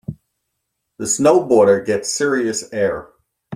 The snowboarder gets serious air.